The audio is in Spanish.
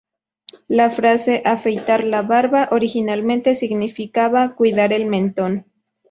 La frase "afeitar la barba" originalmente significaba 'cuidar el mentón'.